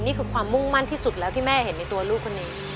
นี่คือความมุ่งมั่นที่สุดแล้วที่แม่เห็นในตัวลูกคนนี้